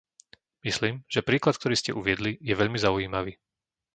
Myslím, že príklad, ktorý ste uviedli, je veľmi zaujímavý.